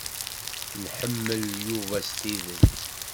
Nḥemmel Yuba s tidet.